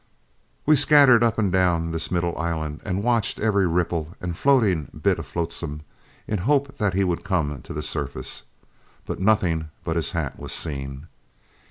We scattered up and down this middle island and watched every ripple and floating bit of flotsam in the hope that he would come to the surface, but nothing but his hat was seen.